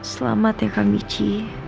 selamat ya kak michi